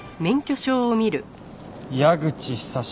矢口久志。